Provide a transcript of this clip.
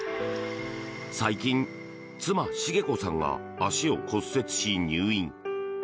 最近、妻・茂子さんが足を骨折し、入院。